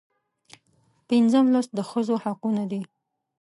پنځم لوست د ښځو حقونه دي.